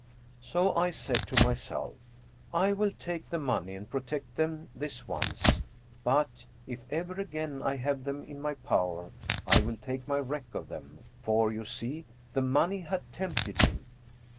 So I said to myself, 'I will take the money and protect them this once, but, if ever again I have them in my power, I will take my wreak of them;' for, you see, the money had tempted me.